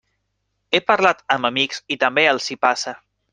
He parlat amb amics i també els hi passa.